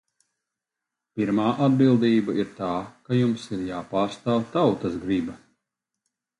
Pirmā atbildība ir tā, ka jums ir jāpārstāv tautas griba.